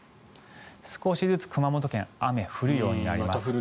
少しずつ熊本県雨が降るようになります。